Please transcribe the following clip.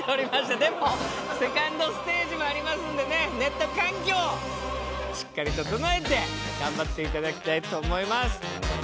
でもセカンドステージもありますんでネット環境しっかり整えて頑張って頂きたいと思います。